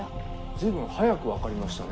随分早く分かりましたね。